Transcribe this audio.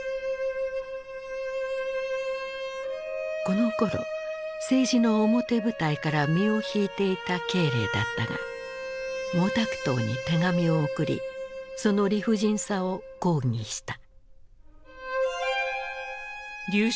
このころ政治の表舞台から身を引いていた慶齢だったが毛沢東に手紙を送りその理不尽さを抗議した。